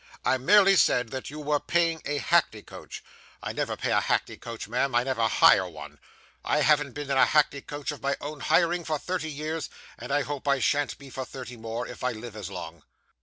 I merely said that you were paying a hackney coach. I never pay a hackney coach, ma'am; I never hire one. I haven't been in a hackney coach of my own hiring, for thirty years, and I hope I shan't be for thirty more, if I live as long.